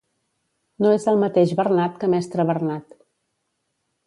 No és el mateix Bernat que mestre Bernat.